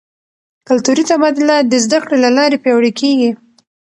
کلتوري تبادله د زده کړې له لارې پیاوړې کیږي.